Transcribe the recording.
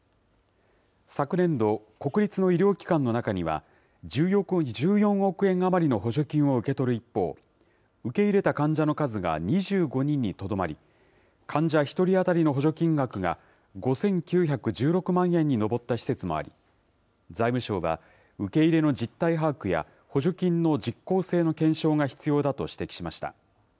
昨年度、国立の医療機関の中には、１４億円余りの補助金を受け取る一方、受け入れた患者の数が２５人にとどまり、患者１人当たりの補助金額が５９１６万円に上った施設もあり、財務省は、受け入れの実態把握や、補助金の実効性の検証が必要だと指摘しました。